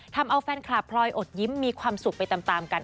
ทำเอาแฟนคลับพลอยอดยิ้มมีความสุขไปตามกัน